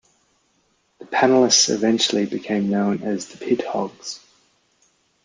The panelists eventually became known as the Pit Hogs.